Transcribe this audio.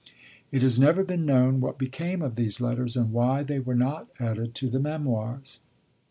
It has never been known what became of these letters, and why they were not added to the Memoirs.